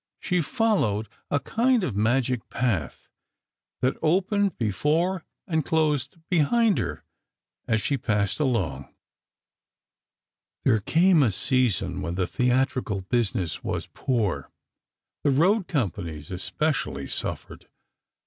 She followed a kind of magic path, that opened before, and closed behind her as she passed along. There came a season when the theatrical business was poor. The road companies, especially, suffered.